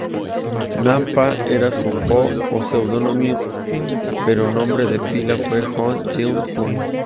Nan-pa era su "ho" o seudónimo, pero su nombre de pila fue Hong Yeong-hu.